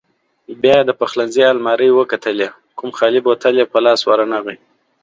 بیا یې د پخلنځي المارۍ وکتلې، کوم خالي بوتل یې په لاس ورنغی.